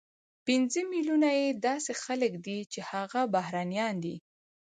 پنځه ملیونه یې داسې خلک دي چې هغه بهرنیان دي،